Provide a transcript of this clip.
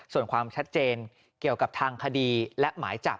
ส่วนความชัดเจนเกี่ยวกับทางคดีและหมายจับ